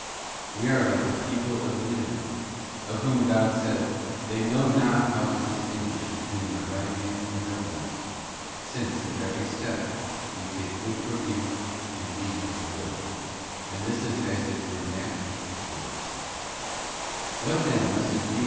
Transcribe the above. Weare like the people of Ninive, of whom God said, 'They know not how to distinguish between their right hand and their left,' since, at every step, we take good for evil, and evil for good; and this is as * Eccles. ii, 10. t+ Jon. iv. 11.